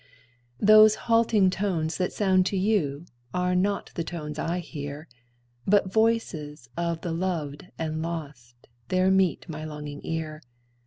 Those halting tones that sound to you, Are not the tones I hear; But voices of the loved and lost There meet my longing ear.